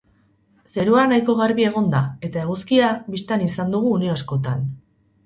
Zerua nahiko garbi egon da eta eguzkia bistan izan dugu une askotan.